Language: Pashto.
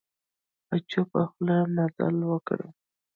په چوپه خوله مي مزل وکړ .